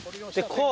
こう。